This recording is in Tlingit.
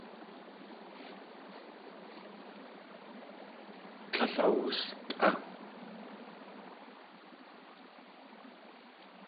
Tlél awustʼá.